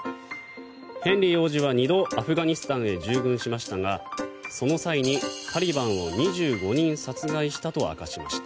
ヘンリー王子は２度アフガニスタンに従軍しましたがその際にタリバンを２５人殺害したと明かしました。